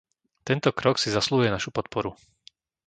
Tento krok si zasluhuje našu podporu.